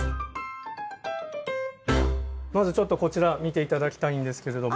まずちょっとこちら見て頂きたいんですけれども。